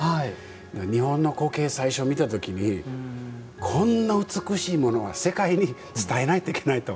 日本の苔、最初見た時にこんな美しいものは世界に伝えないといけないと。